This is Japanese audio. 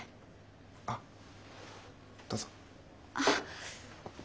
あっどうぞ。